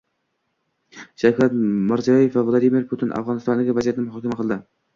Shavkat Mirziyoyev va Vladimir Putin Afg‘onistondagi vaziyatni muhokama qildi